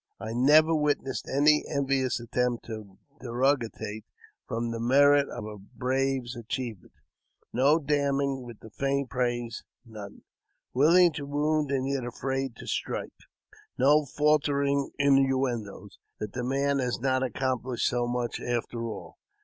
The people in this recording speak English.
I never witnessed any envious attempt to dero gate from the merit of a brave's achievement. No damning^ with faint praise ; none " Willing to wound and yet afraid to strike ;" no faltering innuendoes that the man has not accomplishe so much, after all.